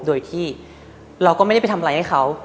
โดยที่เราก็ไม่ได้ไปทำอะไรให้เขา